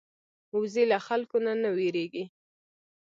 وزې له خلکو نه نه وېرېږي